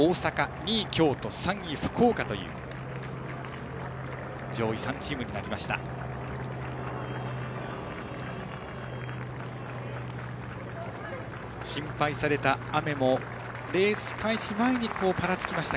２位、京都、３位、福岡という上位３チームになりました。